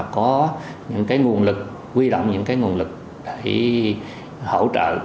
có những nguồn lực huy động mà hỗ trợ